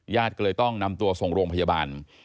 ก็เลยต้องนำตัวส่งโรงพยาบาล